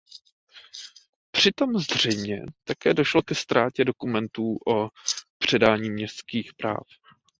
Přitom zřejmě také došlo ke ztrátě dokumentů o předání městských práv.